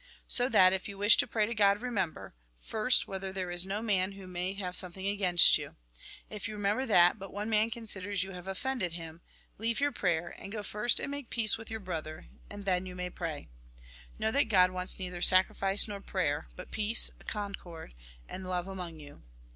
So that, if you wish to pray to God, remember, first, whether there is no man who may have some thing against you. If you remember that but one man considers you have offended him, leave your prayer, and go first and make peace with your brother ; and then you may pray. Know that God wants neither sacrifice nor prayer, but peace, con cord, and love among you.